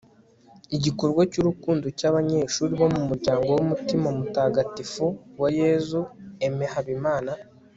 igikorwa ry'urukundo cy'abanyeshuli bo mu muryango w'umutima mutagatifu wa yezu aimé habimana